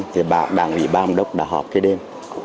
thì đảng vị ba ông đốc đã họp cái đêm